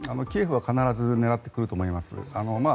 キエフは必ず狙ってくると思います。